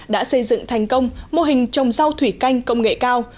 đã xây dựng thành công mô hình trồng rau thủy canh công nghệ cao